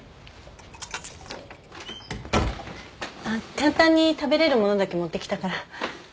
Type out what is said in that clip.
簡単に食べれるものだけ持ってきたから。